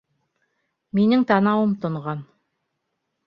Минең танауым тонған